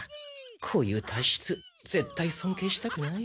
こういう体質ぜったい尊敬したくない。